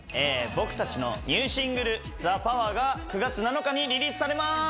僕達のニューシングル「ＴＨＥＰＯＷＥＲ」が９月７日にリリースされます！